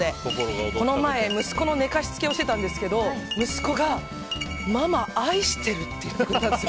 この前、息子の寝かしつけをしてたんですけど息子がママ、愛してるって言ったんですよ。